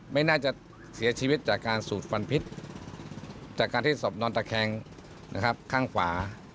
ไม่น่าจะเสียชีวิตจากการสูดฟันพิษจากการที่ศพนอนตะแคงนะครับข้างขวา